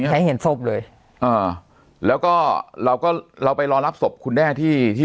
ให้เห็นศพเลยอ่าแล้วก็เราก็เราไปรอรับศพคุณแด้ที่ที่